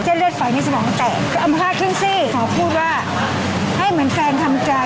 เจ้าเลือดฝ่ายในสมัครแตกเอามาฆ่าขึ้นสิขอพูดว่าให้เหมือนแฟนทำใจ